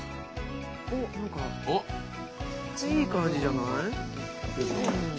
おっ何かいい感じじゃない？